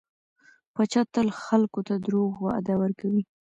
پاچا تل خلکو ته دروغ وعده ورکوي .